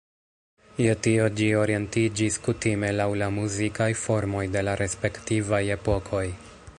Je tio ĝi orientiĝis kutime laŭ la muzikaj formoj de la respektivaj epokoj.